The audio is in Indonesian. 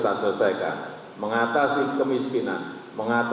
kalau enggak ada mungkin saya bisa jawab